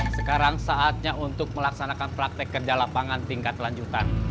sekarang saatnya untuk melaksanakan praktek kerja lapangan tingkat lanjutan